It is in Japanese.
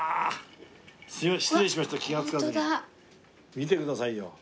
見てくださいよ。